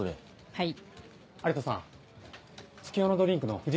はい。